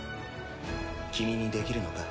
君にできるのか？